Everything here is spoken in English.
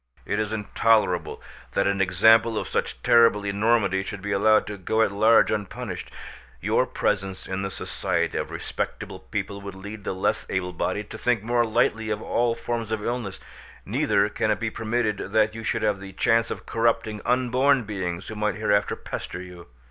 "It is intolerable that an example of such terrible enormity should be allowed to go at large unpunished. Your presence in the society of respectable people would lead the less able bodied to think more lightly of all forms of illness; neither can it be permitted that you should have the chance of corrupting unborn beings who might hereafter pester you.